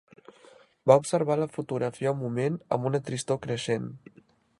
Va observar la fotografia un moment, amb una tristor creixent.